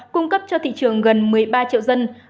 cung cấp cho thị trường gần một mươi ba triệu dân